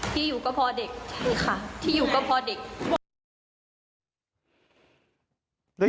ที่อยู่ก็พอเด็กใช่ค่ะที่อยู่ก็พอเด็กพวกนี้